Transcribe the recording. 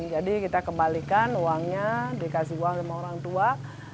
jadi kita kembalikan uangnya dikasih uang sama orang tua